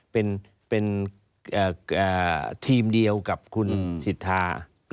เป็นทีมเดียวกับคุณสิทธา